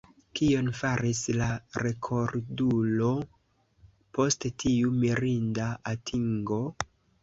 Kion faris la rekordulo post tiu mirinda atingo?